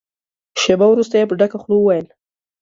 شېبه وروسته يې په ډکه خوله وويل.